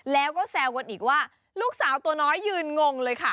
แล้วก็แซวกันอีกว่าลูกสาวตัวน้อยยืนงงเลยค่ะ